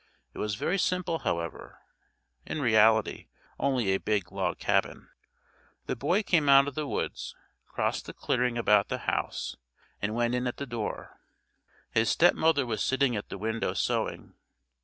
It was very simple, however; in reality only a big log cabin. The boy came out of the woods, crossed the clearing about the house, and went in at the door. His stepmother was sitting at the window sewing.